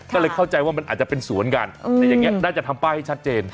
ก็เลยเข้าใจว่ามันอาจจะเป็นสวนกันแต่อย่างนี้น่าจะทำป้ายให้ชัดเจน